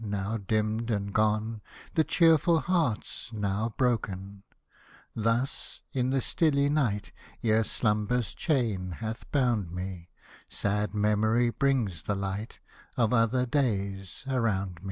Now dimmed and gone, The cheerful hearts now broken ! Thus, in the stilly night, Ere Slumber's chain hath bound me, Sad Memory^ brings the light Of other days around me.